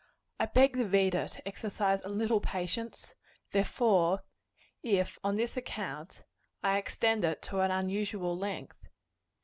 I beg the reader to exercise a little patience, therefore, if, on this account, I extend it to an unusual length.